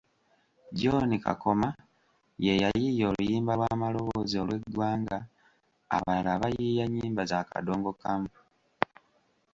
John Kakoma yeyayiiya oluyimba lwa maloboozi olw’Eggwanga abalala bayiiya nnyimba za kadongo kamu.